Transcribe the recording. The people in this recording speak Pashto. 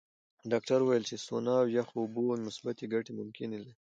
ډاکټره وویل چې سونا او یخو اوبو مثبتې ګټې ممکنه لري.